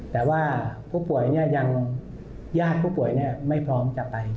แต่ว่าผู้ป่วยญาติผู้ป่วยไม่พร้อมจะไป